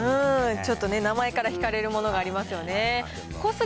ちょっとね、名前からひかれるものがありますよね。